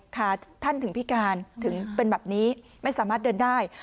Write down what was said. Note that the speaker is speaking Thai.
ขาท่านถึงพิการถึงเป็นแบบนี้ไม่สามารถเดินได้